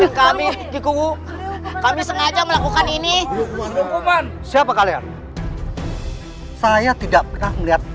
iya iya kami dikuu kami sengaja melakukan ini siapa kalian saya tidak pernah melihat